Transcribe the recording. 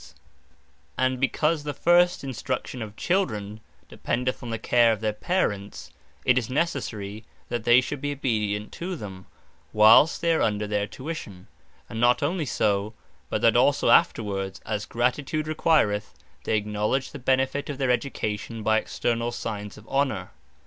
And To Honour Their Parents And because the first instruction of Children, dependeth on the care of their Parents; it is necessary that they should be obedient to them, whilest they are under their tuition; and not onely so, but that also afterwards (as gratitude requireth,) they acknowledge the benefit of their education, by externall signes of honour.